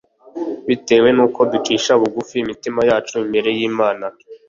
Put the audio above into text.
bitewe nuko ducisha bugufi imitima yacu imbere yImana